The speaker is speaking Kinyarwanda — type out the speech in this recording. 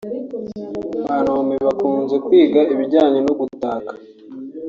Ba Naomi bakunze kwiga ibijyanye no gutaka